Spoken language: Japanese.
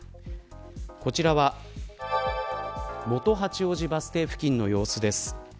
こちらは元八王子バス停付近の様子です。